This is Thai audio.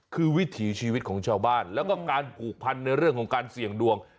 คือวิถีชีวิตของชาวบ้านแล้วก็การผูกพันในเรื่องของการเสี่ยงดวง